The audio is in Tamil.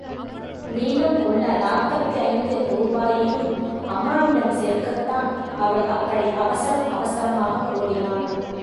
மீதம் உள்ள நாற்பத்தைந்து ரூபாயையும் அம்மாவிடம் சேர்க்கத்தான் அவள் அப்படி அவசரம் அவசரமாக ஒடினாள்.